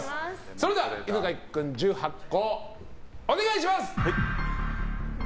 それでは犬飼君１８個、お願いします！